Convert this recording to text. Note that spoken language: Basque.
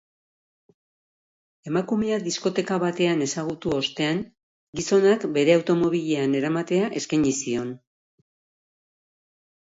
Emakumea diskoteka batean ezagutu ostean, gizonak bere automobilean eramatea eskaini zion.